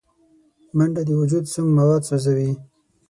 منډه د وجود سونګ مواد سوځوي